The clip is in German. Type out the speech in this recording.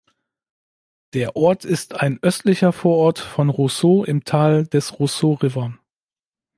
Der Ort ist ein östlicher Vorort von Roseau im Tal des Roseau River.